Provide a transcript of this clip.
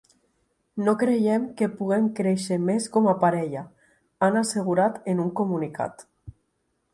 No creiem que puguem créixer més com a parella, han assegurat en un comunicat.